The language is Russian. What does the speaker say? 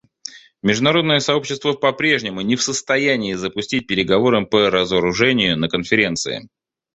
Международное сообщество по-прежнему не в состоянии запустить переговоры по разоружению на Конференции.